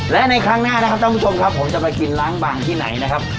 และในครั้งหน้านะครับท่านผู้ชมครับผมจะไปกินล้างบางที่ไหนนะครับ